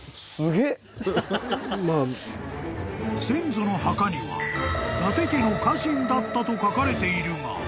［先祖の墓には伊達家の家臣だったと書かれているが］